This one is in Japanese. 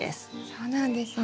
そうなんですね。